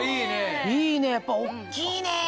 いいねやっぱ大っきいね！